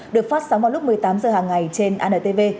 được phát sóng vào lúc một mươi tám h hàng ngày trên antv